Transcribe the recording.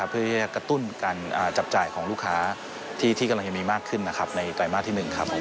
เพื่อกระตุ้นการจับจ่ายของลูกค้าที่กำลังจะมีมากขึ้นนะครับในไตรมาสที่๑ครับผม